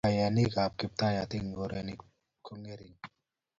kayonikab kiptayat eng' koreni ko ng'ering'